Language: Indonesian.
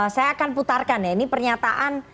saya akan putarkan ya ini pernyataan